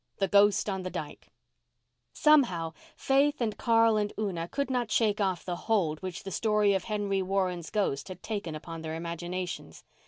THE GHOST ON THE DYKE Somehow, Faith and Carl and Una could not shake off the hold which the story of Henry Warren's ghost had taken upon their imaginations.